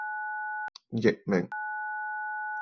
茂名